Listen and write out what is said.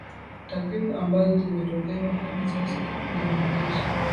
takwimu ambazo zimetolewa hadi sasa zinaonyesha